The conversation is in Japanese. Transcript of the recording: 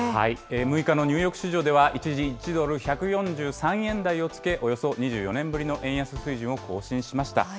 ６日のニューヨーク市場では、一時１ドル１４３円台をつけ、およそ２４年ぶりの円安水準を更新しました。